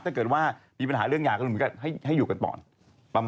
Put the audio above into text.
ถ้าเกิดว่ามีปัญหาเรื่องหย่าก็ให้อยู่กันต่อ